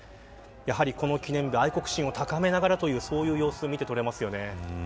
やはり、この記念日愛国心を高めながらという様子が見てとれます。